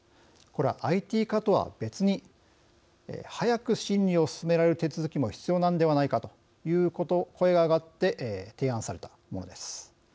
これはＩＴ化とは、別に速く審理を進められる手続きも必要なのではないかという声が上がって提案されたものです。